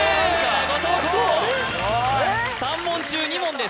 後藤弘３問中２問です